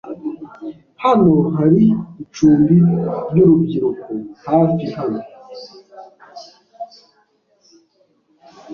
Hano hari icumbi ryurubyiruko hafi hano?